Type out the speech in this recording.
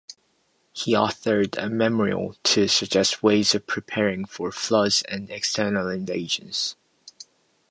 He authored a memorial to suggest ways of preparing for floods and external invasions.